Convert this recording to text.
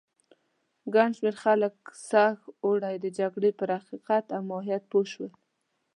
ګڼ شمېر خلک سږ اوړی د جګړې پر حقیقت او ماهیت پوه شول.